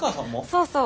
そうそう。